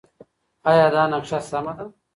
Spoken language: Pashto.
ایا دا نقشه سمه ده؟